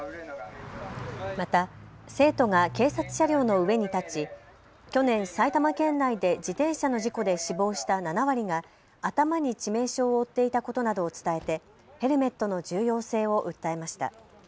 また生徒が警察車両の上に立ち去年、埼玉県内で自転車の事故で死亡した７割が頭に致命傷を負っていたことなどを伝えてヘルメットの重要性を訴えました。